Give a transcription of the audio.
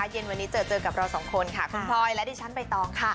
เย็นวันนี้เจอเจอกับเราสองคนค่ะคุณพลอยและดิฉันใบตองค่ะ